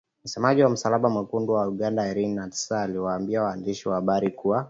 Msemaji wa Msalaba Mwekundu wa Uganda Irene Nakasita aliwaambia waandishi wa habari kuwa